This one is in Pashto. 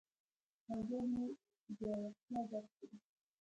ښوونځی د زړورتیا درس دی